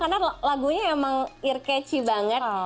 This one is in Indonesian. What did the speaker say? karena lagunya emang ear catchy banget